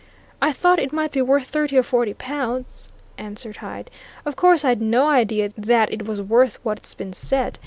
"I thought it might be worth thirty or forty pounds," answered Hyde. "Of course, I'd no idea that it was worth what's been said.